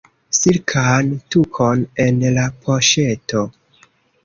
Silkan tukon en la poŝeto.